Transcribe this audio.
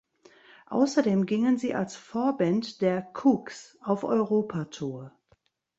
Außerdem gingen sie als Vorband der Kooks auf Europatour.